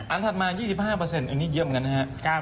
อันถัดมา๒๕อันนี้เยี่ยมกันฮะ